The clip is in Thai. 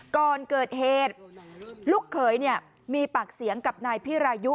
ก่อนเกิดเหตุลูกเขยมีปากเสียงกับนายพิรายุ